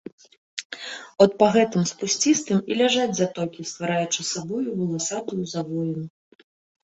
От па гэтым спусцістым і ляжаць затокі, ствараючы сабою валасатую завоіну.